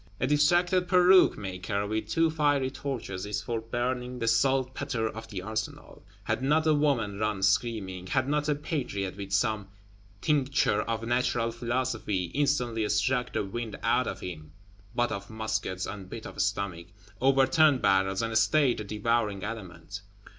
A distracted "Peruke maker with two fiery torches" is for burning "the saltpetres of the Arsenal," had not a woman run screaming; had not a Patriot, with some tincture of Natural Philosophy, instantly struck the wind out of him (butt of musket on pit of stomach), overturned barrels, and stayed the devouring element.